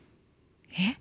えっ？